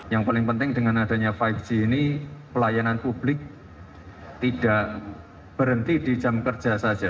yang paling penting dengan adanya lima g ini pelayanan publik tidak berhenti di jam kerja saja